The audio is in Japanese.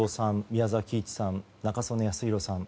宮澤喜一さん、中曽根康弘さん